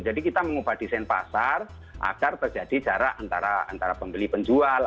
kita mengubah desain pasar agar terjadi jarak antara pembeli penjual